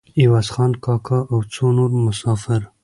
عوض خان کاکا او څو نور مسافر.